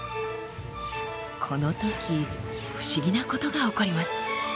このとき不思議なことが起こります。